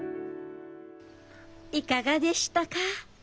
いかがでしたか？